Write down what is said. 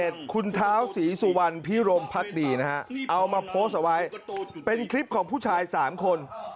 ด้านเท้าสีสุวรรณพีรมพระตีนะฮะมาโพสต์ไว้เป็นคลิปของผู้ชาย๓คน